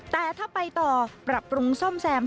แต่ถ้าไปต่อปรับปรุงซ่อมแซม